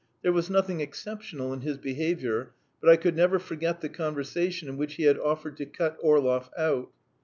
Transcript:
There was nothing exceptional in his behaviour, but I could never forget the conversation in which he had offered to cut Orlov out.